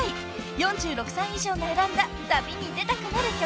［４６歳以上が選んだ「旅に出たくなる曲」］